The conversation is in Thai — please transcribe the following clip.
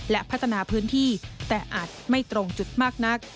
และพัฒนาพื้นที่แต่อาจไม่ตรงจุดมากนัก